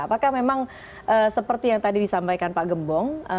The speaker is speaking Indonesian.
apakah memang seperti yang tadi disampaikan pak gembong